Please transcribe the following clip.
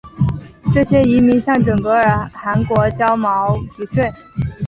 这些遗民向准噶尔汗国交毛皮税。